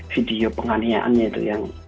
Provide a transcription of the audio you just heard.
video penganiaannya itu